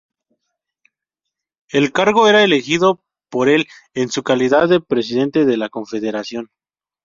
El cargo era elegido por el en su calidad de presidente de la Confederación.